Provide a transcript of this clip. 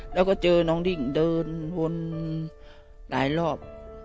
แล้วก็เจอน้องดิ้งเดินวนหลายรอบ